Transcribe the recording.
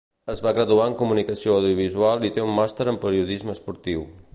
Es va graduar en Comunicació Audiovisual i té un màster en Periodisme esportiu.